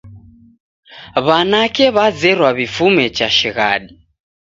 W'anake w'azerwa w'ifume cha shighadi